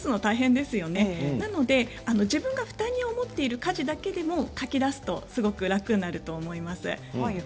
ですので自分が負担に思っている家事だけでも書き出すと楽になると思います。